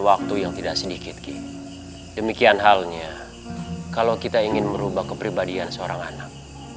waktu yang tidak sedikit demikian halnya kalau kita ingin merubah kepribadian seorang anak